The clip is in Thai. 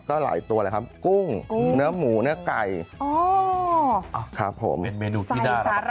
ข้างบัวแห่งสันยินดีต้อนรับทุกท่านนะครับ